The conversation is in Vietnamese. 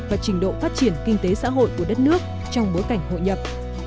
và trình độ phát triển kinh tế xã hội của đất nước trong bối cảnh hội nhập